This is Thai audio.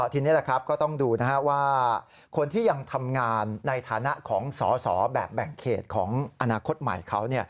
ทีนี้ก็ต้องดูว่าคนที่ยังทำงานในฐานะของสอสอแบบแบ่งเขตของอนาคตใหม่เขา